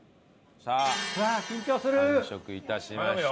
さあ完食致しました。